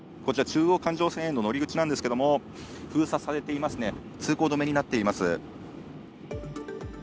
こちら中央環状線への乗り口なんですけど封鎖されていますね、通行止めになっています。